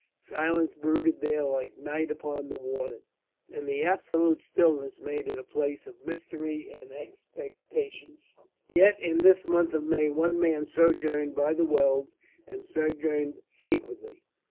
Silence brooded there like night upon the waters; and the absolute stillness made it a place of mystery and expectation. Yet in this month of May one man sojourned by the wells and sojourned secretly.